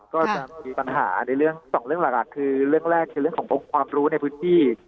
ก็จะมีปัญหาในเรื่องสองเรื่องหลักคือเรื่องแรกคือเรื่องของความรู้ในพื้นที่